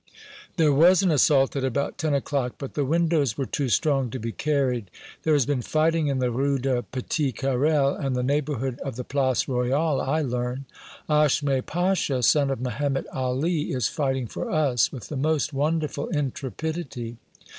"There was an assault at about ten o'clock; but the windows were too strong to be carried. There has been fighting in the Rue de Petit Carrel, and the neighborhood of the Place Royale, I learn. Achmet Pacha, son of Mehemet Ali, is fighting for us with the most wonderful intrepidity.